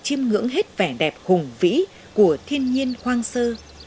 chim ngưỡng hết vẻ đẹp hùng vĩ của thiên nhiên khoang sơ